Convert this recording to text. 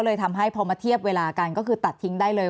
เลยทำให้พอมาเทียบเวลากันก็คือตัดทิ้งได้เลย